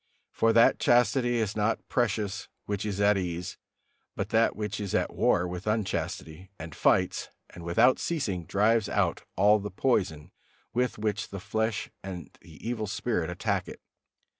For that chastity is not precious which is at ease, but that which is at war with unchastity, and fights, and without ceasing drives out all the poison with which the flesh and the evil spirit attack it.